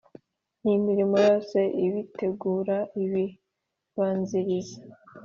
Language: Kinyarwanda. Ni imirimo yose ibitegura ibibanziriza